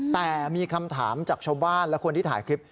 แต่มีคำถามจากชาวบ้านและคนที่ถ่ายคลิป